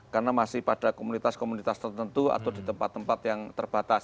karena masih pada komunitas komunitas tertentu atau di tempat tempat yang terbatas